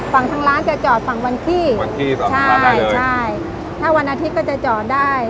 ฝั่งทางร้านจะจอดฝั่งวันที่วันที่สองใช่ใช่ถ้าวันอาทิตย์ก็จะจอดได้